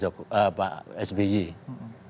jangan dengan pak megun